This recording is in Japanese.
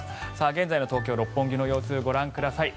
現在の東京・六本木の様子ご覧ください。